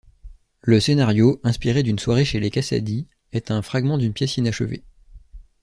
Le scénario, inspiré d'une soirée chez les Cassady, est un fragment d'une pièce inachevée.